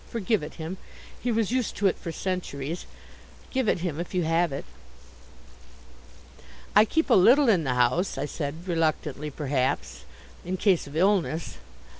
Forgive it him. He was used to it for centuries. Give it him if you have it." "I keep a little in the house," I said reluctantly perhaps, "in case of illness."